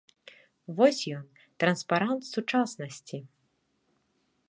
Вось ён транспарант сучаснасці.